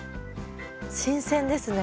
新鮮ですね。